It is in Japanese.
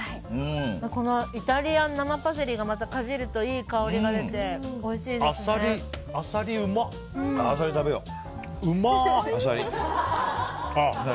このイタリアン生パセリがかじるといい香りが出てアサリうまっ。